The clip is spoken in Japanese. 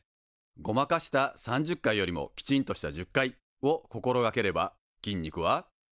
ごまかした３０回よりもきちんとした１０回を心がければ筋肉は。